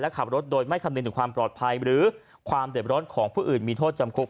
และขับรถโดยไม่คำนึงถึงความปลอดภัยหรือความเด็ดร้อนของผู้อื่นมีโทษจำคุก